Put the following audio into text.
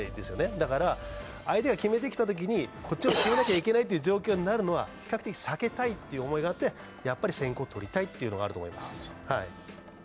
だから相手が決めてきたときにこっちも決めなければいけないという状況になるのは比較的避けたいという思いがあって先攻を取りたいということだと思います。